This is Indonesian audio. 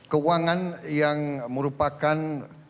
keuangan yang merupakan